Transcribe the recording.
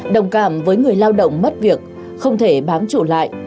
đồng cảm với người lao động mất việc không thể bán chủ lại